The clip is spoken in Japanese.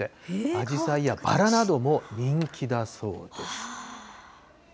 アジサイやバラなども人気だそうです。